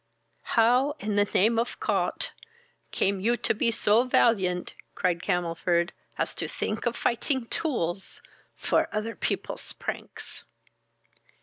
"How, in the name of Cot, came you to be so valiant, (cried Camelford,) as to think of fighting tuels for other people's pranks?"